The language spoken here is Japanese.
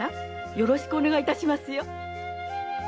よろしくお願いいたしますよ。